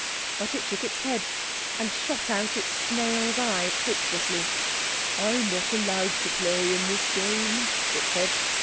But it shook its head, and shot out its snail's eyes hopelessly. "I'm not allowed to play in this game," it said.